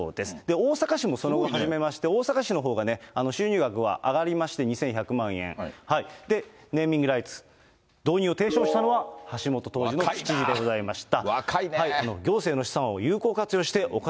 大阪市もその後、始めまして、大阪市のほうが収入額は上がりまして、２１００万円、ネーミングライツ、導入を提唱したのは、橋下徹府知事でございました。